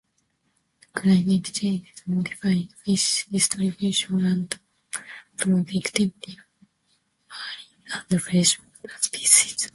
Climate change is modifying fish distribution and the productivity of marine and freshwater species.